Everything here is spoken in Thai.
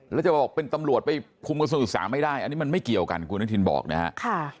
แล้วจะบอกเป็นตำรวจไปคุมกระทรวงศึกษาไม่ได้อันนี้มันไม่เกี่ยวกันคุณอนุทินบอกนะฮะ